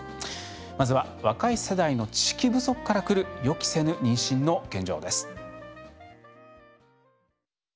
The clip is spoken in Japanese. まずは若い世代の知識不足からくる予期せぬ妊娠の現状です。